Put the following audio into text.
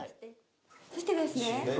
そしてですね。